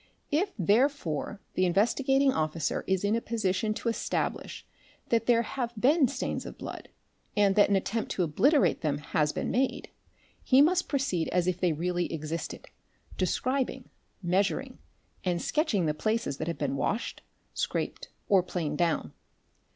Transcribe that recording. If therefore the Investigating Officer is in a position to establish that there have been stains of blood, and that an attempt to obliterate them has been made, he must proceed as if they really existed, describing, measuring, and sketch . ing the places that have been washed, scraped, or planed down.